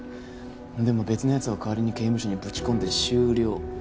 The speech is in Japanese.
でも別の奴を代わりに刑務所にぶち込んで終了。